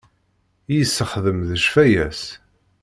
I yessexdem d ccfaya-s.